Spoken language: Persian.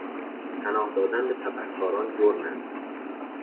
پناه دادن به تبهکاران جرم است.